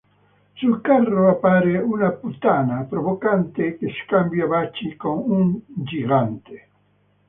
Sul carro appare una "puttana" provocante, che scambia baci con un gigante.